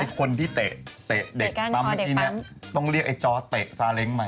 คนที่เตะเด็กปั๊มที่นี้ต้องเรียกจอร์สเตะซารังค์ใหม่